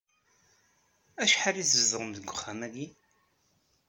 Acḥal i tzedɣem deg wexxam-agi?